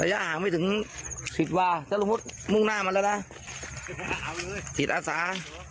ระยะห่างไม่ถึงสิทธิ์ว่าเจ้าละมุดมุ่งหน้ามาแล้วละสิทธิ์อาสา